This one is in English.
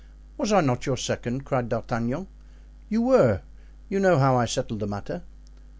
"Was I not your second?" cried D'Artagnan. "You were; you know how I settled the matter."